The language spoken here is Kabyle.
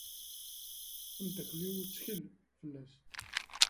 Amdakel-iw ttekle? fell-as.